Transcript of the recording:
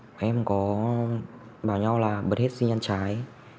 bọn em có bảo nhau là bật hết sinh ăn trái